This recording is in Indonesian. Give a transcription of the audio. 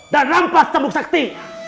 dan rampas jambu sakti